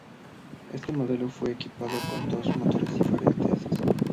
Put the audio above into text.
Este modelo fue equipado con dos motores diferentes.